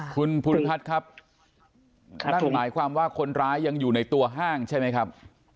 คุณภูริพัฒน์ครับนั่นหมายความว่าคนร้ายยังอยู่ในตัวห้างใช่ไหมครับ